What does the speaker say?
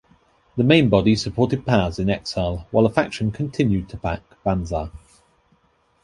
The main body supported Paz in exile, while a faction continued to back Banzer.